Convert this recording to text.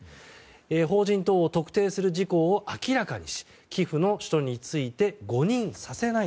法人等を特定する事項を明らかにし寄付の使途について誤認させない。